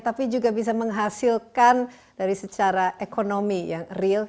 tapi juga bisa menghasilkan dari secara ekonomi yang real